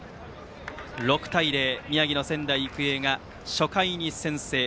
６対０、宮城の仙台育英が初回に先制。